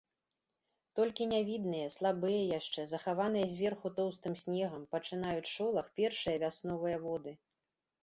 Толькі нявідныя, слабыя яшчэ, захаваныя зверху тоўстым снегам, пачынаюць шолах першыя вясновыя воды.